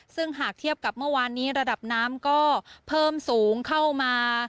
ซึ่งหากเทียบกับเมื่อวานนี้ระดับน้ำก็เพิ่มสูงเข้ามา